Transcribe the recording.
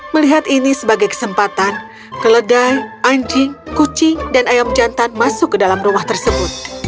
melihat ini sebagai kesempatan keledai anjing kucing dan ayam jantan masuk ke dalam rumah tersebut